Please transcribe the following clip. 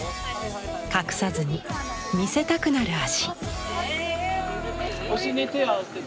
隠さずに見せたくなる足。